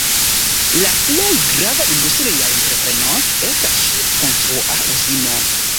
La plej grava industria entrepreno estas ŝip-konstrua uzino.